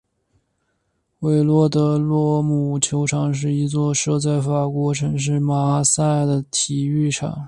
韦洛德罗姆球场是一座设在法国城市马赛的体育场。